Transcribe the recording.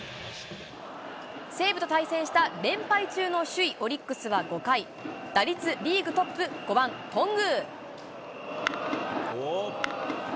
西武と対戦した連敗中の首位オリックスは５回、打率リーグトップ、５番頓宮。